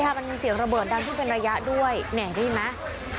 ใช่ค่ะมันเป็นเสียงระเบิดดังที่เป็นระยะด้วยนี่ได้ยินไหม